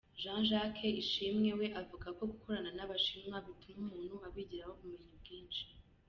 Jean Jacques Ishimwe we avuga ko gukorana n’ Abashinwa bituma umuntu abigiraho ubumenyi bwinshi.